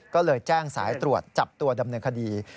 ก็เลยแจ้งสายตรวจจับตัวดำเนินคดี